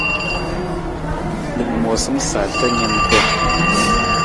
Lamoosam sarta nimpa.